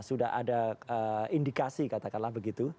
sudah ada indikasi katakanlah begitu